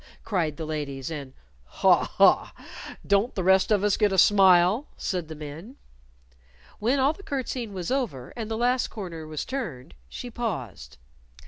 cried the ladies, and "Haw! Haw! Don't the rest of us get a smile?" said the men. When all the curtseying was over, and the last corner was turned, she paused.